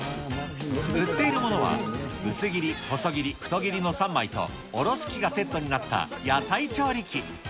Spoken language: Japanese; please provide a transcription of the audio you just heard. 売っているものは、薄切り、細切り、太切りの３枚とおろし器がセットになった野菜調理器。